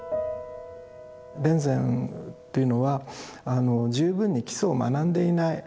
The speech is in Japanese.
田善っていうのはあの十分に基礎を学んでいない。